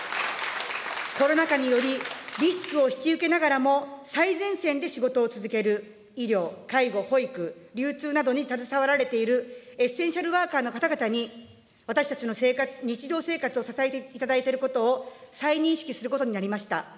コロナ禍により、リスクを引き受けながらも、最前線で仕事を続ける医療・介護・保育・流通などに携わられている、エッセンシャルワーカーの方々に、私たちの生活、日常生活を支えていただいていることを再認識することになりました。